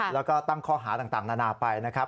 แล้วก็ตั้งข้อหาต่างนานาไปนะครับ